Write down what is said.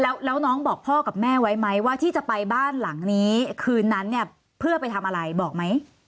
แล้วน้องบอกพ่อกับแม่ไว้ไหมว่าที่จะไปบ้านหลังนี้คืนนั้นเนี่ยเพื่อไปทำอะไรบอกไหม